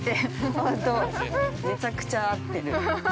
◆ほんと、めちゃくちゃ合ってる。